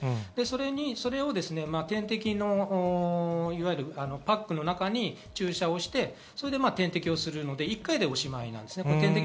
それを点滴のパックの中に注射をして、それで点滴をするので、１回でおしまいです。